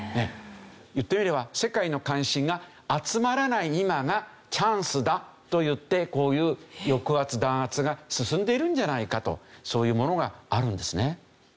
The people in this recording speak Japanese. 言ってみれば世界の関心が集まらない今がチャンスだといってこういう抑圧・弾圧が進んでいるんじゃないかとそういうものがあるんですね。